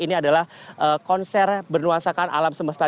ini adalah konser bernuansakan alam semesta